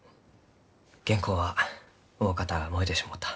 原稿はおおかた燃えてしもうた。